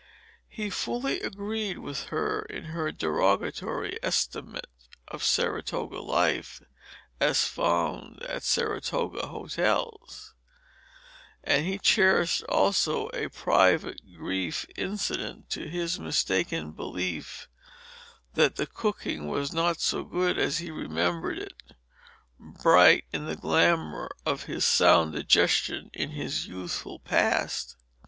He fully agreed with her in her derogatory estimate of Saratoga life as found at Saratoga hotels; and he cherished also a private grief incident to his (mistaken) belief that the cooking was not so good as he remembered it, bright in the glamour of his sound digestion in his youthful past.